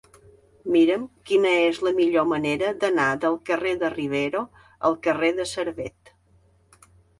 Mira'm quina és la millor manera d'anar del carrer de Rivero al carrer de Servet.